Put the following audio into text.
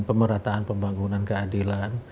pemerataan pembangunan keadilan